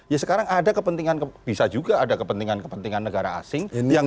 ya sekarang ada kepentingan bisa juga ada kepentingan kepentingan negara asing